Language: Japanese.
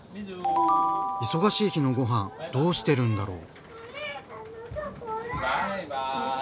忙しい日のごはんどうしてるんだろう？